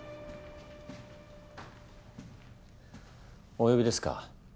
お呼びですか？